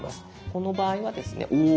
この場合はですねうぉ！